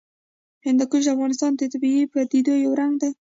هندوکش د افغانستان د طبیعي پدیدو یو رنګ دی.